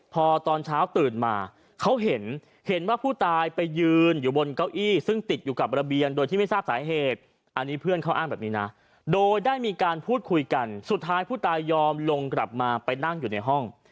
พอตอนเช้าตื่นมาเขาเห็นเห็นว่าผู้ตายไปยืนอยู่บนเก้าอี้ซึ่งติดอยู่กับระเบียงโดยที่ไม่ทราบสาเหตุอันนี้เพื่อนเขาอ้างแบบนี้นะโดยได้มีการพูดคุยกันสุดท้ายผู้ตายยอมลงกลับมาไปนั่งอยู่ในห้อง